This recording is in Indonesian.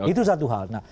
itu satu hal